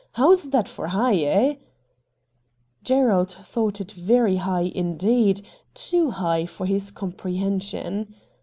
How's that for high, eh ?' Gerald thought it very high indeed ; too high for his comprehension.